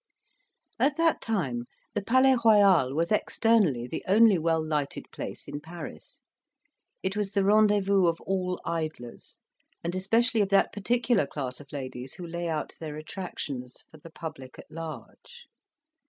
At that time, the Palais Royal was externally the only well lighted place in Paris. It was the rendezvous of all idlers, and especially of that particular class of ladies who lay out their attractions for the public at large.